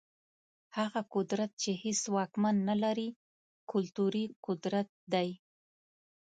هغه قدرت چي هيڅ واکمن نلري، کلتوري قدرت دی.